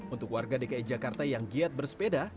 untuk warga dki jakarta yang giat bersepeda